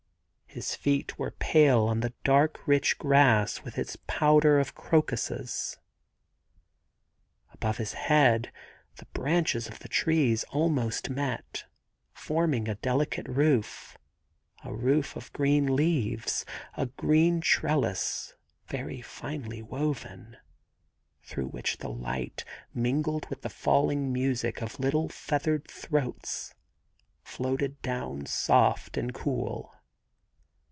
... His feet were pale on the dark rich grass with its powder of crocuses. Above his head the branches of the trees almost met, forming a delicate roof, a roof of green leaves, a green trellis very finely woven, through which the light, mingled with a falling music of little feathered throats, floated down soft and cool.